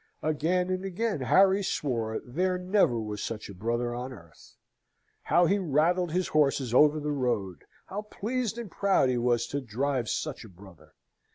Again and again Harry swore there never was such a brother on earth. How he rattled his horses over the road! How pleased and proud he was to drive such a brother!